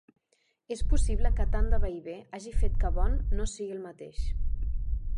És possible que tant de vaivé hagi fet que Bond no sigui el mateix.